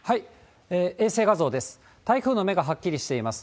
衛星画像です。